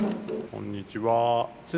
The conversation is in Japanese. こんにちは。